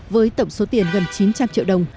với tổng số tiền gần chín trăm linh triệu đồng